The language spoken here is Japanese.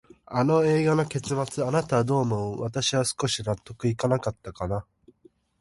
あの映画の結末、あなたはどう思う？私は少し納得いかなかったな。